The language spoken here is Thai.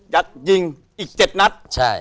ยัดยิงอีก๗นัท